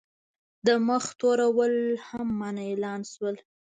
د مخ تورول هم منع اعلان شول.